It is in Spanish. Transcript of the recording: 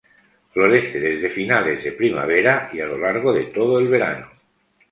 Florece desde finales de primavera y a lo largo de todo el verano.